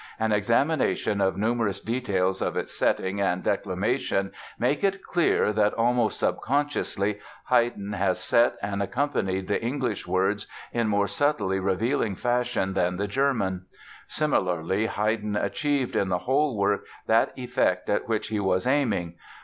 An examination of numerous details of its setting and declamation make it clear that, almost subconsciously, Haydn has set and accompanied the English words in more subtly revealing fashion than the German. Similarly, Haydn achieved in the whole work that effect at which he was aiming.